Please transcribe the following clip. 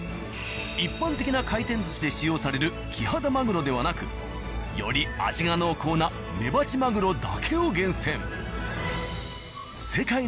一般的な回転寿司で使用されるキハダマグロではなくより味が濃厚なメバチマグロだけを厳選。